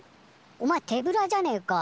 おまえ手ぶらじゃねえか。